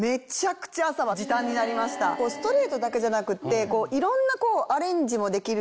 ストレートだけじゃなくっていろんなアレンジもできるじゃないですか。